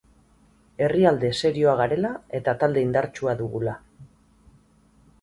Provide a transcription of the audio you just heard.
Herrialde serioa garela eta talde indartsua dugula.